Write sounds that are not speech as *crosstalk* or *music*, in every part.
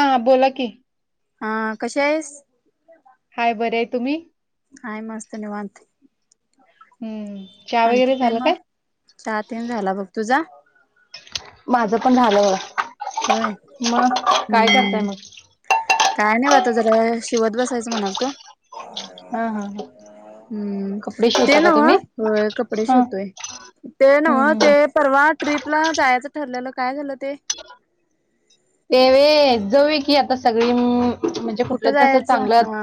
हा. बोला की. हा. कशी हाईस? हाय बरी हाय. तुम्ही? हाय मस्त निवांत. हम्म. चहा आणखी वगैरे काय झालं मग? चहा तेन झाला बघ. तुझा? माझं पण झालं बघा. होय मग काय करताय हम्म मग? काय नाही, आता जरा शिवत बसायच म्हणाल तो. ह, हं, ह. हम्म. ते नव्हं, होय कपडे हा शिवतोय. ते हम्म नव्हं ते हम्म परवा ट्रीपला जायचं ठरलेलं काय झालं ते? तेवे जऊ की आता सगळी मि म्हणजे कुठं कुठलं तस जायचं चांगलं - हा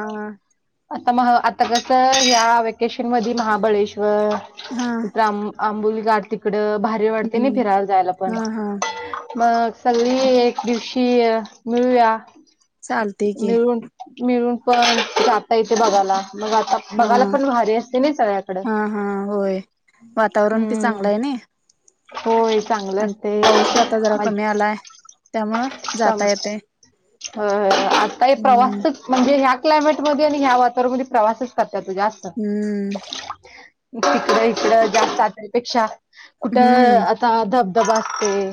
- आता म आता कस या वेकेशन मध्ये महाबळेश्वर हा इथ्रम - - आंबुली गाठ तिकडं भारी वाढतयं नई हम्म फिरायला जायला पण, हा हा मग सगळी एक दिवशी मिळुया. चालतय की मिळून, मिळून पण जाता इथे बघायला. मग आता - - हा बघायला पण भारी असतय नइ सगळ्याकडं. हा हा होय वातावरण बी हम्म. चांगलं आहे नाही होय. चांगलं आणि पाऊस बी आता जरा कमी असतयं *unintelligible* आलाय त्यामुळं जाता येतयं. ह *unintelligible* आता हे प्रवासच म्हणजे ह्या क्लायमेटमध्ये आणि ह्या वातावरणामध्ये प्रवासच करत्यात ओ जास्त हम्म. तिकडं इकडं जास्त *unintelligible* पेक्षा कुठं हम्म अ ता धबधबा असतयं.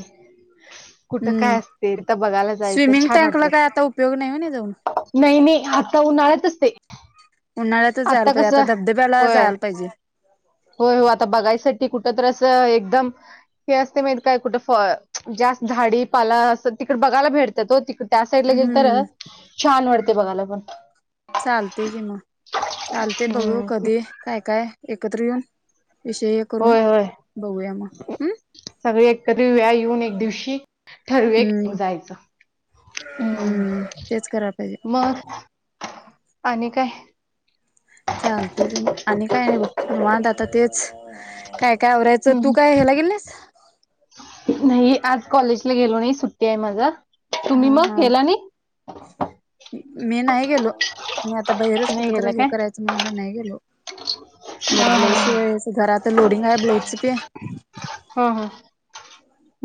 कुठं काय हम्म असते, तर बघायला जायचं स्विमिंग छान टँकला वाटतयं. काय आता उपयोग नाही. व्हनी जाऊन. नाही, नाही. आता उन्हाळतचते. उन्हाळ्यातच जायला पाहिजे. आता धबधब्याला होय जायला पाहिजे. होय हो. आता बघायसाठी कुठ तर अस एकदम - - हे असते माहित काय. कुठं फ जास्त झाडीपाला असं तिकड बघायला भेटत्यात ओ तिकड. त्या साईडला गेल तर हम्म छान वाटतयं बघायला पण. चालते कि म, चालते बघू हम्म कधी. काय काय एकत्र येऊन विषय करून होय. होय. बघूया मग हम् सगळी एकत्र येऊया. येऊन एक दिवशी - - ठरवुया कुठं हम्म जायचं. हम् हम्म तेच करायला पाहिजे मग. आणि काय? चालतय कि आणि काय नाही बघ, निवांत आता तेच. काय काय आवरायचं तू हम्म काय हेला गेलि नाहिस. नाही आज कॉलेजला गेलो नाही सुट्टी हाय माझं. तुम्ही हा मग हा गेला नाही. मी नाही गेलो. मी आता बाहेरच कुठ नाही तर गेला हे काय करायच. म्हणुन नाही गेलो. जर हा ब्लाऊज हा शिवायचं घरात लोडिंग हाय ब्लाऊज ते. हं, ह.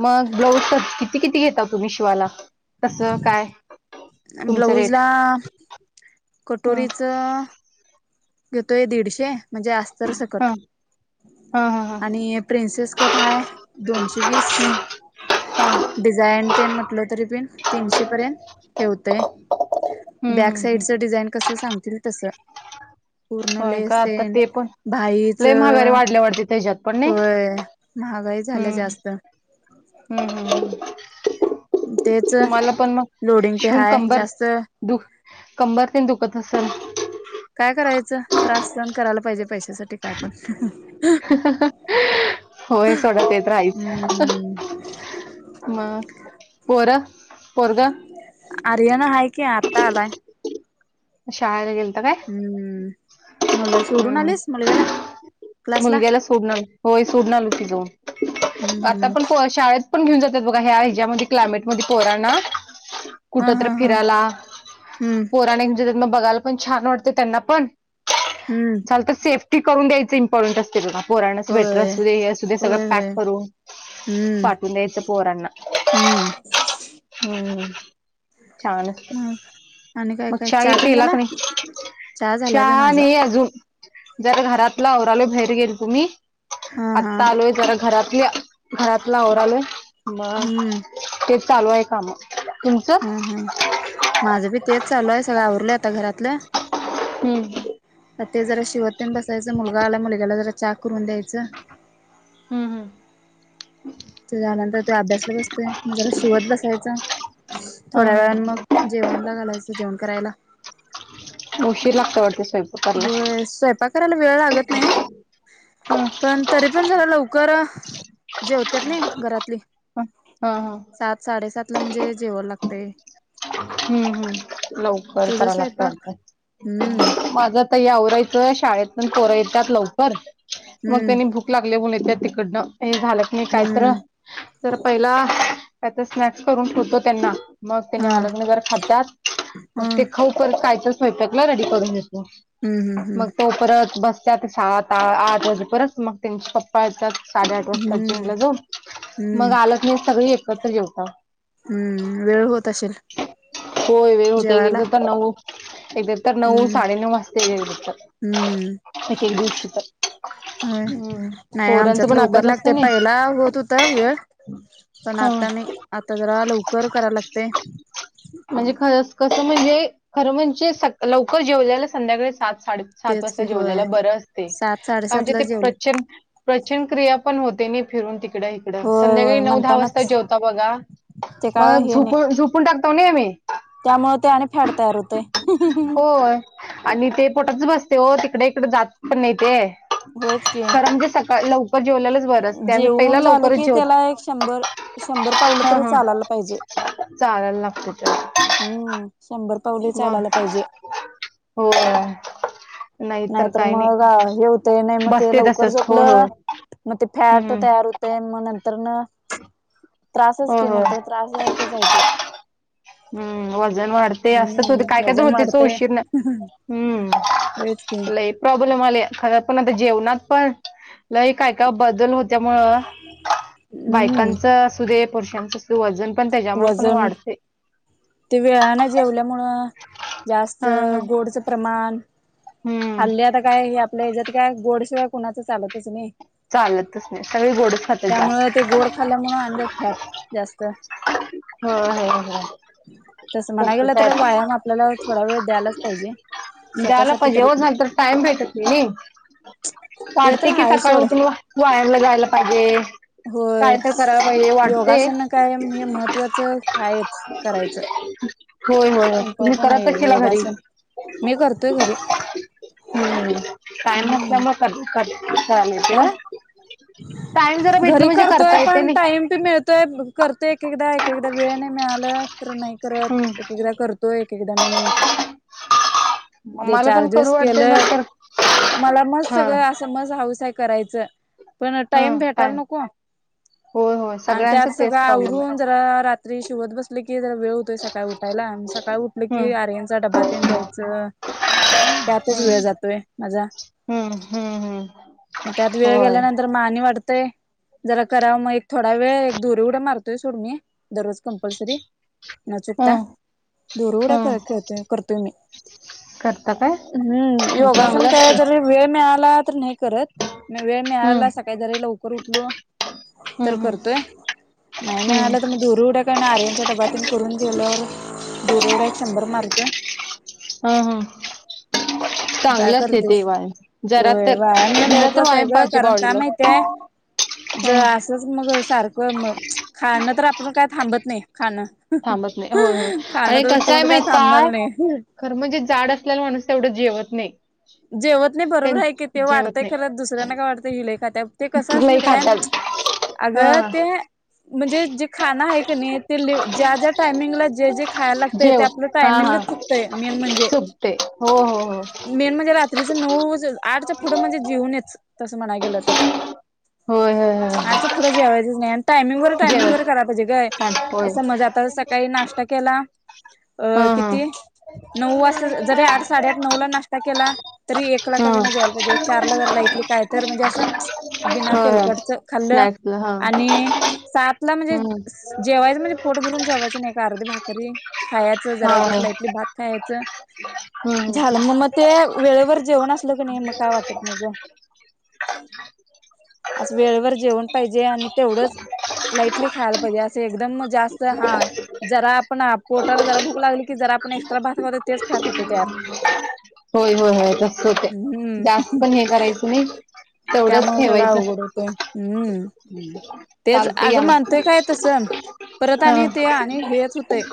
मग ब्लाऊज किती किती घेता तुम्ही शिवाला? तसं काय? तुमचं ब्लाऊज ला रेट हा कटोरीचं घेतोय, दीडशे म्हणजे अस्तर हा सकट हा हा हा हा आणि प्रिन्सेस कट हाय दोनशे वीस. हम्म डिझाईन ते म्हटल तरी पिण तीनशे पर्यंत हे होतय. बॅक हम्म हम्म. साइडच डिझाईन कस सांगतील तस. होय का, आता ते पण भाईच लय माघारी वाढल्या वाटत, तिच्यांत पण नी होय महागाई झाल्या हम्म.. जास्त हम् हम हम. तेच तुम्हाला पण मग, लोडिंग पे शिवून हाय कंबर जास्त दु-कंबर तेन दुखत असेल. काय करायचं. त्रास सहन करायला पाहिजे. पैशासाठी काय पण, होय, सोडा तेे तर हायचं. हम्म म.. पोरं -पोरग आर्यन हाय की, आत्ता आलाय. शाळेला गेलता काय? मग हम्म सोडून हम्म. आलीस मुलग्यांला. मुलग्याला सोडून आलो. होय सोडून आलोय की जाऊन, हम्म आता हम्म पण पोरं शाळेत पण घेऊन जातात बघा, ह्या हेच्यामध्ये क्लायमेटमध्ये पोरांना. हा कुठंतर हा हा फिराला हम्म पोरांना घेऊ तर मग बघायला पण छान वाटते. त्यांना पण, हम्म. तर सेफ्टी करून द्यायचं इम्पॉर्टंट असतेय बघा. पोरांना स्वेटर होय असू दे. हे असू दे सगळं होय पॅक होय करून. हम्म पाठवून द्यायचं, पोरांना हम्म हम्म. छान असते हं. आणि काय? मग काय चहा ही तेन पिला झाला कणी, झाला बे चहा माझा नाही अजून. जरा घरातला अवरालोय बाहेर गेल तो मी, हा हा आत्ता आलोय जरा घरातल. घरातलं अवरालोय, मग हम्म तेच चालू आहे काम. तुमचं ह ह.. माझं बी तेच चालू आहे, सगळं आवरलोय आता घरातलं. हम्म. ते जरा शिवत तेन बसायचं मुलगा आलाय, मुलग्याला जरा चा करून द्यायचं. हम्म हम्म त्यानंतर तो अभ्यासला बसतोय. मग जरा शिवत बसायच, हा थोड्या वेळान मग जेवणला घालायचं, जेवण करायला. उशीर लागंत वाटत स्वयं होय, स्वयंपाक करायला वेळ लागत नाही. हा हा पण तरी पण जरा लव कर जेवत्यातनी घरातली. हां हां. सात साडेसात ला म्हणजे जेवाय लागतंय. हम्. हम. लवकर तुझा कराय लागत स्वयंपाक हम्म वाटत, माझं तै आवरायचं शाळेतून पण पोरं येतात लवकर, मग हम्म त्यानी भूक लागले मुल येत्यात तिकडनं हे, झालं कणी काय तर, हम्म तर पहिला काय तर स्नॅक्स करून ठेवतो. त्यांना मग त्यांनी हा आलं. तवर खात्यात. मग हा ते खाऊ पर्यंत काय तर स्वयंपाकला रेडी करून घेतो. हम्म हम्म मग हम्म तो परत बसत्यात, सात आठ वाजे परत मग त्यांचे पप्पा येतात. साडेआठ वाजता हम्म जिमला जाऊन, मग हम्म आलं कणी सगळे एकत्र जेवताव. हम्म.. वेळ होतं. होय, वेळ होते एकएकदा त्यांना हो, एकदा तर नऊ हम्म साडेनऊ वाजता येतात, हम्म एक एक दिवशी तर. होय. हम्म नाही पोरांचा आमच्यात पण लवकर अभ्यास असते लागते, नाही पहिला होतं होता वेळ. पण हा आता नही, आता जरा लवकर करायला लागते. म्हणजे खरं कसं म्हणजे, खरं म्हणजे स-लवकर जेवलेलं संध्याकाळी सात साडे सात तेच की वाजता होय जेवलेल बरं असते, सात साडेसात म्हणजे ला ते जेवले पचन. प्रंचन क्रिया पण होते, नी फिरून तिकडे. इकडं होय संध्याकाळी होय नऊ दहा वाजता म्हणतानाच जेवताव बघा. ते काय मग हे नाही झोपून- झोपून टाकतो ना आम्ही. त्यामुळे ते आणि फॅड तयार होतय. होय आणि ते पोटात बसते हो तिकडे इकडे जात पण नाही ते होयच की ं म्हणजे सकाळ लव जेवलेलेच बर असते आम्ही पहिला जेवून झालं लवकरच की जेवत त्याला एक शंभर शंभर पावलं ह तरी ह चालायला पाहिजे चालायला लागते ते हम्म शंभर पावले चालायला पाहिजे. हो नाही तर नाहीतर काही मग नाही हे होतय नाही मग ते बसते लवकर तसंच होय होय झोपलं मग ते फॅट हम्म तयार होत. ते मग नंतर न त्रासच होय की होय नंतर त्रासदायकच हाय ते हम्म वजन वाढते असच होतय काय हम्म काय वजन होतयच उशीरन हम्म. व्हयची. लई प्रॉब्लेम आले खरं पण आता जेवणात पण लई काय का बदल होत्यामुळे हम्म बायकांच असू दे पुरुषांच अस वजन पण त्याच्यामुळे पण वजन वाढते ते वेळाने जेवल्यामुळं जास्त हा हा गोडच प्रमाण हम्म हाल्ल्यात काय हे आपल्या हेज्यात काय गोडशिवाय कुणाचं चालतच नाही. चालतच नाही सगळी गोडच खातात त्यामुळ जास्त ते गोड खाल्ल्यामुळ आणि जरा फॅट जास्त हम हम हम तसं म्हणाय गेलं तर व्यायाम आपल्याला थोडा वेळ द्यायलाच पाहिजे. द्यायला स्वतःसाठी पाहिजे तरी ओ *unintelligible* तर टाइम भेटत नाही ते तर पाडते की हाय सकाळी सोड उठून. वायरला जायला पाहिजे. होय काय तर करायला पाहिजे वाटते योगासनन काय हे महत्त्वाचं आहेच करायचं. हो हो तुम्ही इम्पॉर्टंट आहे करतच केला घरी योगासन मी करतोय घरी हम्म कायम नसल्यामुळे क क करा. आं कायम घरी करतोय पण टाइम पी मिळतोय करतोय एक एकदा एक एकदा वेळ नाही मिळाल. तर नाही करत हम्म. एक एकदा करतोय एक एकदा नाही. ते मला चार पण करू दिवस वाटते केलं नंतर मला मस् हा सगळं असं मस हौस हाय करायची. पण टाइम भेटाला नको. होय होय आणि त्यात सगळ्यांचं तेच सगळं प्रॉब्लेम आहे आवरून जरा रात्री शिवत बसल की जरा वेळ सकाळी उठायला सकाळी उठल हम्म की आरयचा डबा तेन द्यायचं. त्यातच वेळ हम्म जातोय माझा हम्म हम्म हम्म मग त्यात वेळ होय गेल्यानंतर आणि वाढतंय. जरा करावा मग एक थोडा वेळ एक धुरी उड्या मारतोय सोड मी दररोज कम्पल्सरी न चुकता हम्म हम्म दोरुड्या खेळतोय करतोय मी करता काय हम्म योगासन चांगलं काय असतं जरी वेळ मिळाला तर नाही करत. म वेळ मिळाला हम्म सकाळी जरी लवकर उठलो. हम्म तर हम्म करतोय नाही मिळाला हम्म तर दोराउड्या. आर्यनचा डबा तेन करून घेल्यावर दोरिउड्या एक शंभर मारतोय. हा हम काय करतेस व्यायाम जरा तर व्यायाम ए म जरा तर *unintelligible* आहे व्यायाम ग पाहिजे कारण का बॉडीला माहित्याय हा ज मग सारखं मग खाणं तर आपण काय थांबत नाही खाणं.. थांबत नाही होय हो खाणं आणि तर कसंय तोंड माहित थांबणार काय नाही खरं म्हणजे जाड असल्याला माणूस तेवढं जेवत नाही. जेवत नाही बरोबर आहे की ते त्यां जेवत वाटतंय नाही खर दुसऱ्यांना काय वाटतय हि लय खात्या ते कसं असतय लई माहिताय ते खातात अग हा ते म्हणजे जे खाणं आहे का नाही. ते *unintelligible* ज्या ज्या टायमिंगला जे जे खायला लागतय ते जेव आपलं हा हा टायमिंगच चुकतंय मेन म्हणजे चुकते हो हो हो मेन म्हणजे रात्रीच नऊ आठच्या पुढं म्हणजे जेऊ नयेच तसं म्हणायला गेलं तर होय होय होय आठ च होय पूढं जेवायचंच नाही आणि टायमिंगवर जेव टायमिंगवर करायला पाहिजेय गं छान होय असं म्हणजे आता काही नाष्टा केला अ हा हा किती नऊ वाजत जरी आठ साडेआठ नऊ ला नाष्टा केला तरी एकला का हा विना जेवाला पाहिजे चारला जर लाईटली काय तर म्हणजे असं बिना होय होय तेलकटच खाल्लं स्नॅक्सला हा आणि सात ला म्हणजे हम्म जेवायचं म्हणजे पोट भरून जेवायचं नाही का अरध भाकरी खायचं जरा हा उघच हा लाइटली भात खायचं हम्म झालं मग मग ते वेळेवर जेवण असलं क नाही मग काय वाटत नाही ग अस वेळेवर जेवन पाहिजे आणि तेवढंच लाईटली खायला पाहिजे असे एकदम जास्त हा जरा आपण पोटाला जरा भूक लागली की जरा आपण एक्स्ट्रा भासतो तेच फॅट होते तयार होय होय होय तस होते हम्म जास्त पण हे करायचं नाही तेवढंच त्यामुळे सगळं ठेवायचं अवघड होते हम्म तेच चालते आग या मग मानतोय काय तसं परत हा आणि ते आणि हेच होते.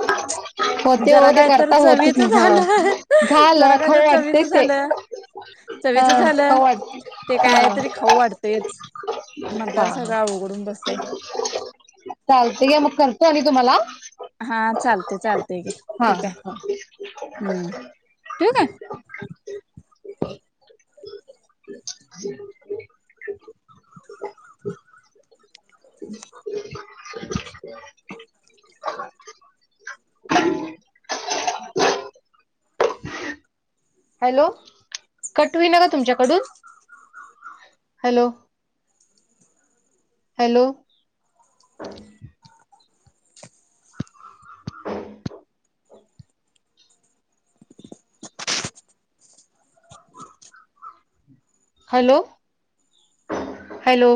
होते जरा हो ते काय तर करता होतच चवीच नाही हा झालं झालं जरा काय तर खाऊ चवीच वाटतेच ते झालं. हा चवीच झालं खाऊ वाट ते काय हा तरी खाऊ वाटते म्हणताना सगळं आवघडून बसत चालतंय घ्या मग करतो आणि तुम्हाला हा चालते चालते घे हा ठीक हा आहे हम्म ठिऊ आहे *unintelligible* *unintelligible* *unintelligible* हॅलो कट होईना का तुमच्याकडून हॅलो हॅलो *unintelligible* हॅलो हॅलो